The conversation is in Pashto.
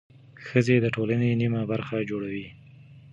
ښځې د ټولنې نیمه برخه جوړوي.